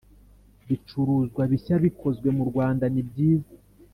bicuruzwa bishya bikozwe murwanda nibyiza